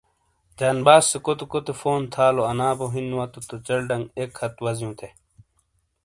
جانباز سے کوتے کوتے فون تھالو انا بو ہین وتو تو چل ڈنگ ایک ہتھ وزیوں تھے ۔